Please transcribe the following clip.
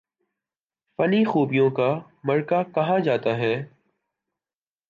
فنی خوبیوں کا مرقع کہا جاتا ہے